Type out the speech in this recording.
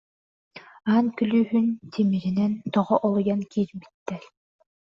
Аан күлүүһүн тими- ринэн тоҕо олуйан киирбиттэр